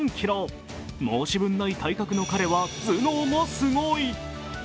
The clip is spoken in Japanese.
申し分ない体格の彼は頭脳もすごい。